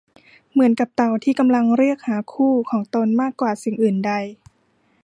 เหมือนกับเต่าที่กำลังเรียกหาคู่ของตนมากกว่าสิ่งอื่นใด